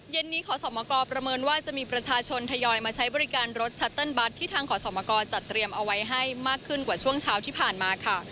นี้ขอสมกรประเมินว่าจะมีประชาชนทยอยมาใช้บริการรถชัตเติ้ลบัตรที่ทางขอสมกรจัดเตรียมเอาไว้ให้มากขึ้นกว่าช่วงเช้าที่ผ่านมาค่ะ